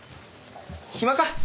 暇か？